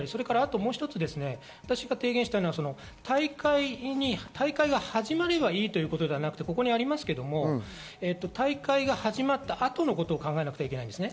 もう一つ、私が提言したいのは、大会が始まればいいということではなくて、大会が始まった後のことを考えなくてはいけないです。